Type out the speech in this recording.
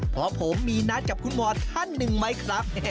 เพราะผมมีนัดกับคุณหมอท่านหนึ่งไหมครับ